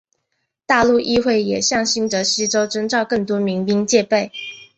大陆议会也向新泽西州征召更多民兵戒备。